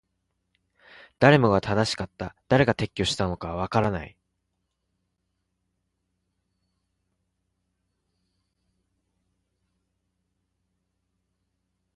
誰もが正しかった。誰が撤去したのかはわからない。